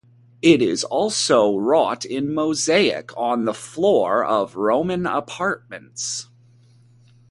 It is also wrought in mosaic on the floor of Roman apartments.